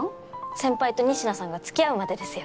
先輩と仁科さんが付き合うまでですよ。